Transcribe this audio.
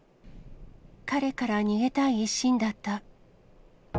彼から逃げたい一心だった。